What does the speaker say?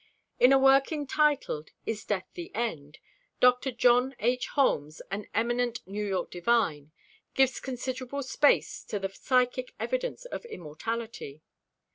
In a work entitled, "Is Death the End?" Dr. John H. Holmes, an eminent New York divine, gives considerable space to the psychic evidence of immortality.